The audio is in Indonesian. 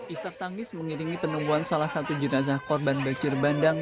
isak tangis mengiringi penemuan salah satu jenazah korban banjir bandang